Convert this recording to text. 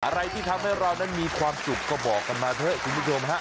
อะไรที่ทำให้เรานั้นมีความสุขก็บอกกันมาเถอะคุณผู้ชมฮะ